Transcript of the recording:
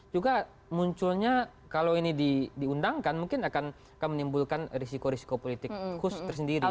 juga munculnya kalau ini diundangkan mungkin akan menimbulkan risiko risiko politik khusus tersendiri